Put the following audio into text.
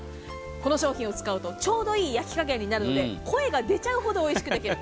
この商品を使うとちょうどいい焼き加減になるので声が出ちゃうほどおいしく焼ける。